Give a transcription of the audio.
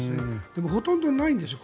でもほとんどないんです。